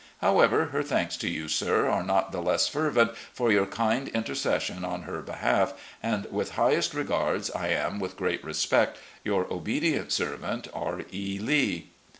However, her thanks to you, sir, are not the less fervent for your kind intercession in her behalf, and with highest regards, I am, with great respect, " Your obedient servant, "R. E. Lee."